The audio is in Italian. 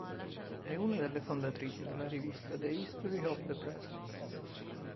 È una delle fondatrici della rivista "The History of the Present".